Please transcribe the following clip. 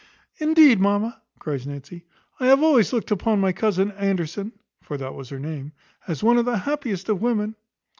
"Indeed, mamma," cries Nancy, "I have always looked on my cousin Anderson" (for that was her name) "as one of the happiest of women."